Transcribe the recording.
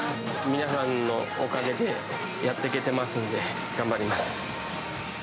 皆さんのおかげでやってけてますんで、頑張ります。